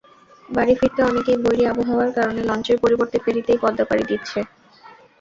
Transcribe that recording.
বাড়ি ফিরতে অনেকেই বৈরী আবহাওয়ার কারণে লঞ্চের পরিবর্তে ফেরিতেই পদ্মা পাড়ি দিচ্ছে।